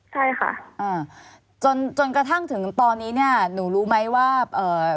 ใช่ค่ะอ่าจนจนกระทั่งถึงตอนนี้เนี่ยหนูรู้ไหมว่าเอ่อ